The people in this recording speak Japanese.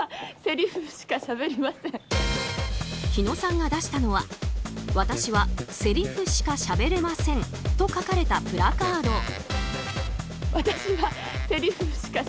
火野さんが出したのは「私はセリフしかしゃべれません」と書かれたプラカード。